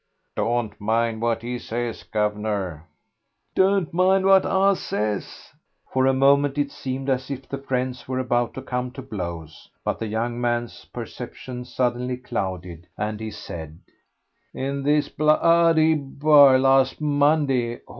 "Don't mind what he says, guv'nor." "Don't mind what I says!" For a moment it seemed as if the friends were about to come to blows, but the young man's perceptions suddenly clouded, and he said, "In this blo ody bar last Monday...